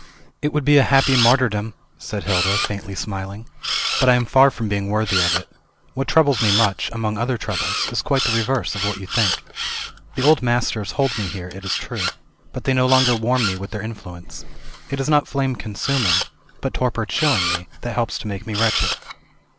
"It would be a happy martyrdom!" said Hilda, faintly smiling. "But I am far from being worthy of it. What troubles me much, among other troubles, is quite the reverse of what you think. The old masters hold me here, it is true, but they no longer warm me with their influence. It is not flame consuming, but torpor chilling me, that helps to make me wretched."